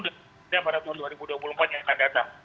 dan kemudian pada tahun dua ribu dua puluh empat yang akan datang